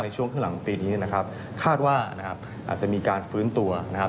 ช่วงข้างหลังปีนี้นะครับคาดว่านะครับอาจจะมีการฟื้นตัวนะครับ